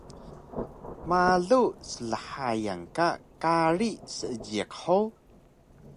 Malu slhayan ka kari Seejiq hug?